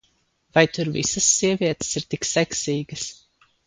Vai tur visas sievietes ir tik seksīgas?